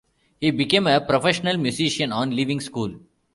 He became a professional musician on leaving school.